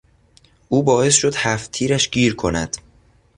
او باعث شد هفت تیرش گیر کند.